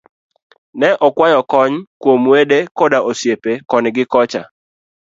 Ne okwayo kony kuom wede koda osiepe koni gikocha